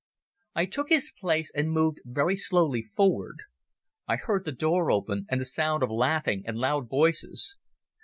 I took his place and moved very slowly forward. I heard the door open and the sound of laughing and loud voices.